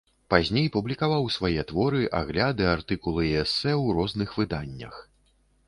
Пазней публікаваў свае творы, агляды, артыкулы і эсэ ў розных выданнях.